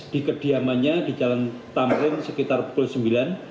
di kediamannya di jalan tamrin sekitar pukul sembilan